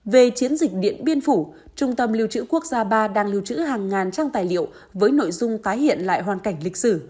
về chiến dịch điện biên phủ trung tâm lưu trữ quốc gia ba đang lưu trữ hàng ngàn trang tài liệu với nội dung tái hiện lại hoàn cảnh lịch sử